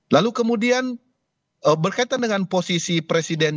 lalu kemudian berkaitan dengan posisi presiden